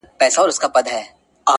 o راباندي گرانه خو يې.